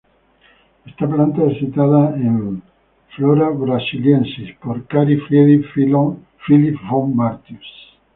Esta planta es citada en "Flora Brasiliensis" por Carl Friedrich Philipp von Martius.